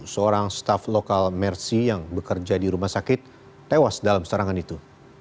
seorang staff lokal mersi yang bekerja di rumah sakit tewas dalam serangan itu